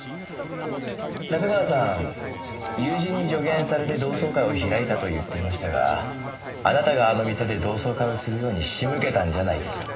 仲川さん友人に助言されて同窓会を開いたと言っていましたがあなたがあの店で同窓会をするように仕向けたんじゃないですか？